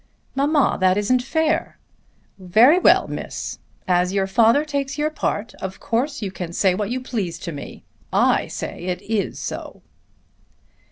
"Mamma, that isn't fair." "Very well, miss. As your father takes your part of course you can say what you please to me. I say it is so."